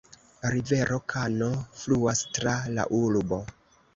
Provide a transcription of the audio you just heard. Rivero Kano fluas tra la urbo.